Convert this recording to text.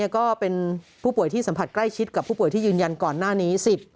ก็เป็นผู้ป่วยที่สัมผัสใกล้ชิดกับผู้ป่วยที่ยืนยันก่อนหน้านี้๑๐